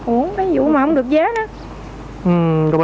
ủa cái vụ mà không được giá nữa